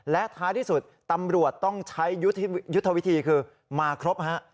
และท้ายที่สุดตำรวจต้องใช้ยุทธวิธีคือมาครบฮะ